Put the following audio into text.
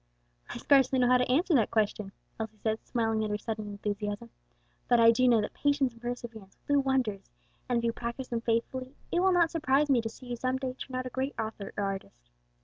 "I scarcely know how to answer that question," Elsie said, smiling at her sudden enthusiasm, "but I do know that patience and perseverance will do wonders, and if you practice them faithfully, it will not surprise me to see you some day turn out a great author or artist.